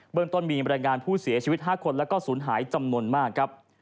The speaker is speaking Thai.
เมืองต้นมีบรรยายงานผู้เสียชีวิต๕คนและก็สูญหายจำนวนมากครับ